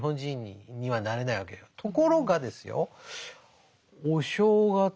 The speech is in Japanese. ところがですよお正月